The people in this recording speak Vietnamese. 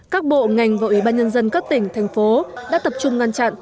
các bộ ngành và ủy ban nhân dân các tỉnh thành phố đã tập trung ngăn chặn